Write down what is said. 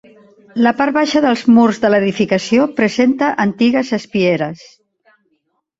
La part baixa dels murs de l'edificació presenta antigues espieres.